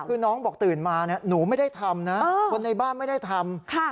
คือน้องบอกตื่นมาหนูไม่ได้ทำนะคนในบ้านไม่ได้ทำ